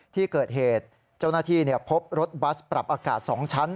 ที่เกิดเหตุเจ้าหน้าที่พบรถบัสปรับอากาศ๒ชั้น